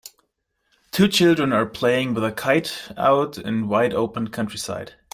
Two children are playing with a kite out in wide open countryside